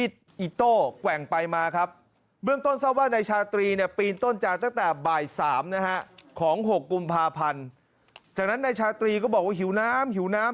ตั้งแต่บ่าย๓ของ๖กุมภาพันธ์จากนั้นนายชาตรีก็บอกว่าหิวน้ำ